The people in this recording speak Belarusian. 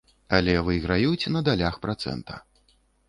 Але выйграюць на далях працэнта.